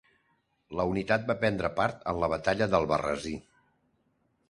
La unitat va prendre part en la batalla d'Albarrasí.